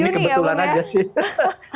ini kebetulan aja sih